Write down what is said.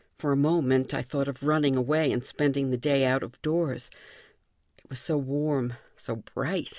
For a moment I thought of running away and spending the day out of doors. It was so warm, so bright!